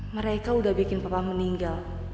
mereka udah bikin papa meninggal